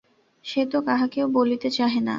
সে তো কাহাকেও বলিতে চাহে না।